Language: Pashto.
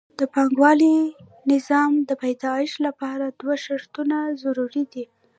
د پانګوالي نظام د پیدایښت لپاره دوه شرطونه ضروري دي